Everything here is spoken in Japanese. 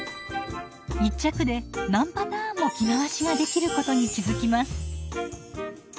１着で何パターンも着回しができることに気付きます。